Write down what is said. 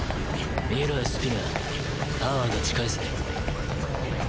見ろよスピナータワーが近いぜ。